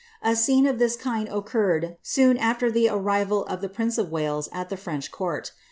A scene of this kind occarred soon after the arrival of the prince of Wales at the French court.